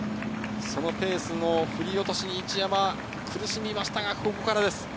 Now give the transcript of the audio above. ペースの振り落としに一山は苦しみましたが、ここからです。